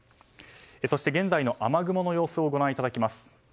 そして現在の雨雲の様子をご覧いただきます。